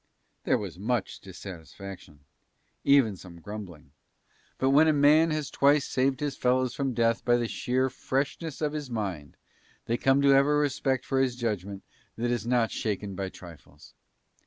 There was much dissatisfaction, even some grumbling, but when a man has twice saved his fellows from death by the sheer freshness of his mind they come to have a respect for his judgment that is not shaken by trifles.